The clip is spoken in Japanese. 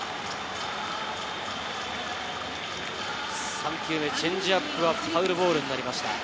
３球目、チェンジアップはファウルボールになりました。